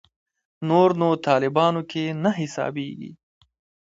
نور نو طالبانو کې نه حسابېږي.